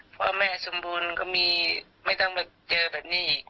พ่อแม่สมบูรณ์ก็มีไม่ต้องมาเจอแบบนี้อีก